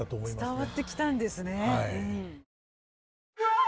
伝わってきたんですね。